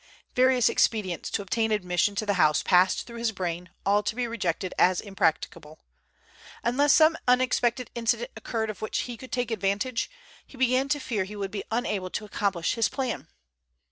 Various expedients to obtain admission to the house passed through his brain, all to be rejected as impracticable. Unless some unexpected incident occurred of which he could take advantage, he began to fear he would be unable to accomplish his plan.